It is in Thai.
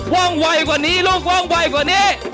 ว่องไวก่อนนี้ลุงว่องไวก่อนนี้